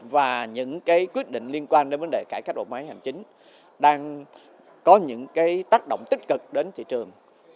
và những quyết định liên quan đến vấn đề cải cách bộ máy hành chính đang có những tác động tích cực đến thị trường